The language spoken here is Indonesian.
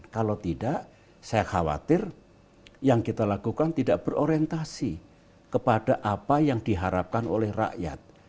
kalau tidak saya khawatir yang kita lakukan tidak berorientasi kepada apa yang diharapkan oleh rakyat